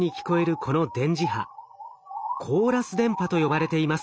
この電磁波「コーラス電波」と呼ばれています。